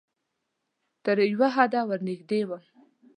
تر یو حده درنږدې وم